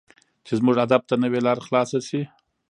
چې زموږ ادب ته نوې لار خلاصه شي.